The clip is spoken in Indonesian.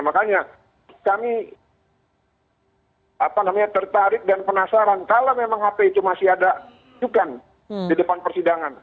makanya kami tertarik dan penasaran kalau memang hp itu masih ada cukan di depan persidangan